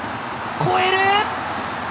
越える！